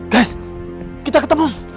guys kita ketemu